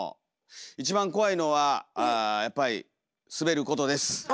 一番怖いのはやっぱり滑ることです。